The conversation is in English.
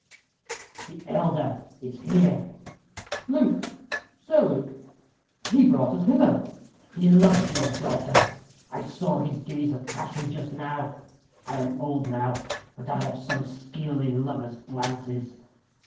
"The elder is here." "Luke Sir Luke. He brought us hither." "He loves your daughter. I saw his gaze of passion just now. I am old now, but I have some skill in lovers' glances.